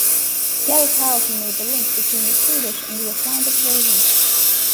That is how he made the link between the Swedish and the Icelandic version.